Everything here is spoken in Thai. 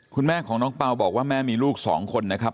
คุณแม่ของน้องเปล่าบอกว่าแม่มีลูกสองคนนะครับ